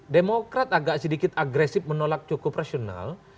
demokrat agak sedikit agresif menolak cukup rasional